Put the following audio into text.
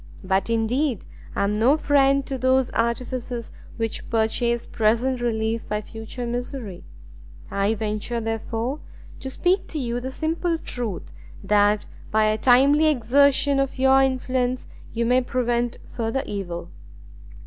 But indeed I am no friend to those artifices which purchase present relief by future misery: I venture, therefore, to speak to you the simple truth, that by a timely exertion of your influence you may prevent further evil."